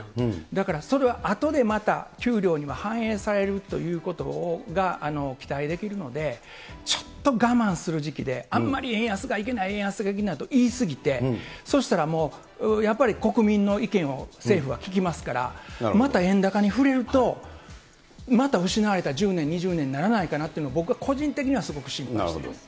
だから、それはあとでまた、給料にも反映されるということが期待できるので、ちょっと我慢する時期で、あんまり円安がいけない、円安がいけないと言い過ぎて、そしたらもう、やっぱり国民の意見を政府は聞きますから、また円高に振れると、また失われた１０年、２０年にならないかなというのを、僕は個人的にはすごく心配してます。